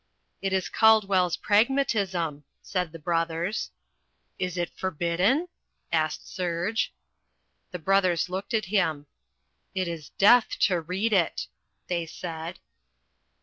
"It is Caldwell's Pragmatism," said the brothers. "Is it forbidden?" asked Serge. The brothers looked at him. "It is death to read it," they said.